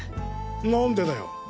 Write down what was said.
何でだよ？